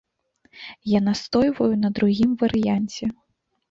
Я настойваю на другім варыянце.